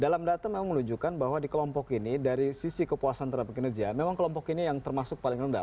dalam data memang menunjukkan bahwa di kelompok ini dari sisi kepuasan terhadap kinerja memang kelompok ini yang termasuk paling rendah